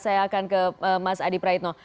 saya akan ke mas adi praitno